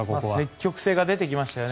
積極性が出てきましたよね。